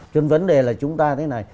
chứ vấn đề là chúng ta thế này